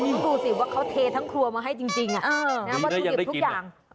คุณดูสิว่าเขาเททั้งครัวมาให้จริงวัตถุดิบทุกอย่าง